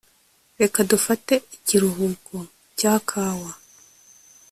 reka dufate ikiruhuko cya kawa